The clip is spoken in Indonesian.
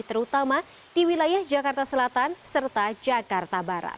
terutama di wilayah jakarta selatan serta jakarta barat